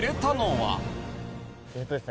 えっとですね